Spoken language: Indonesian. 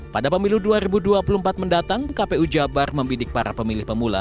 pada pemilu dua ribu dua puluh empat mendatang kpu jabar membidik para pemilih pemula